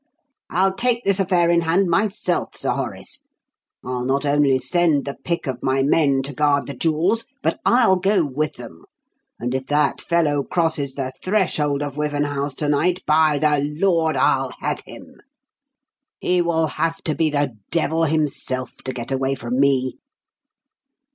I'll take this affair in hand myself, Sir Horace. I'll not only send the pick of my men to guard the jewels, but I'll go with them; and if that fellow crosses the threshold of Wyvern House to night, by the Lord, I'll have him. He will have to be the devil himself to get away from me!